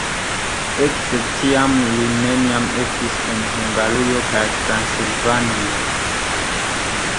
Ekde tiam li neniam estis en Hungarujo kaj Transilvanujo.